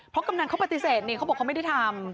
เพราะกำนันต์เขาเพลินเตือนเสร็จเขาบอกไม่ได้ทำ